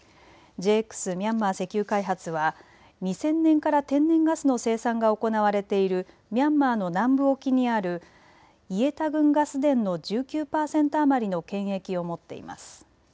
ミャンマー石油開発は２０００年から天然ガスの生産が行われているミャンマーの南部沖にあるイエタグンガス田の１９％余りの権益を持っています。